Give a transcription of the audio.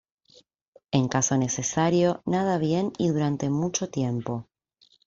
En caso necesario, nada bien y durante mucho tiempo.